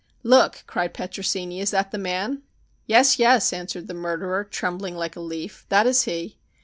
"Look," cried Petrosini; "is that the man?" "Yes, yes," answered the murderer, trembling like a leaf. "That is he."